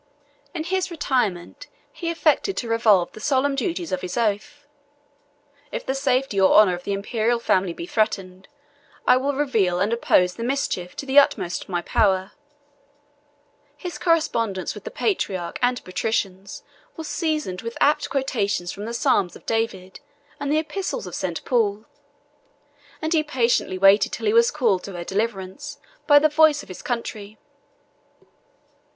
In his retirement, he affected to revolve the solemn duties of his oath: "If the safety or honor of the Imperial family be threatened, I will reveal and oppose the mischief to the utmost of my power." His correspondence with the patriarch and patricians was seasoned with apt quotations from the Psalms of David and the epistles of St. Paul; and he patiently waited till he was called to her deliverance by the voice of his country.